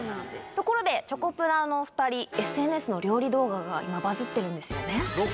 ところでチョコプラのお２人ＳＮＳの料理動画が今バズってるんですよね。